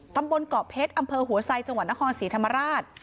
ตำบลเกาะเพชรอำเภอหัวไซจังหวัดนครศรีธรรมราช